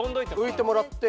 浮いてもらって。